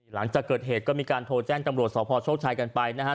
หลังจากเกิดเหตุก็มีการโทรแจ้งตำรวจสพโชคชัยกันไปนะครับ